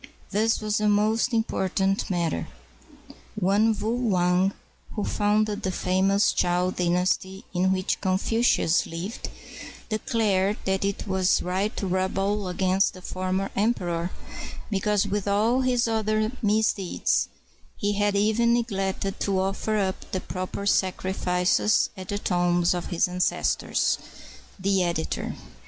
This was a most important matter. One Wu Wang, who founded the famous Chow Dynasty in which Confucius lived, declared that it was right to rebel against the former emperor because with all his other misdeeds he had even neglected to offer up the proper sacrifices at the tombs of his ancestors. The Editor.